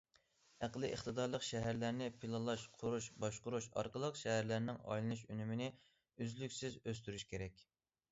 ئەقلىي ئىقتىدارلىق شەھەرلەرنى پىلانلاش، قۇرۇش، باشقۇرۇش ئارقىلىق شەھەرلەرنىڭ ئايلىنىش ئۈنۈمىنى ئۈزلۈكسىز ئۆستۈرۈش كېرەك.